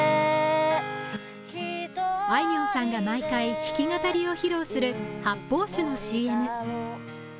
あいみょんさんが毎回弾き語りを披露する発泡酒のＣＭ。